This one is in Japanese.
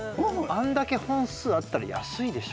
あんだけ本数あったら安いでしょ。